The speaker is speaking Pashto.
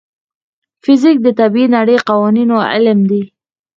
فزیک د طبیعي نړۍ د قوانینو علم دی.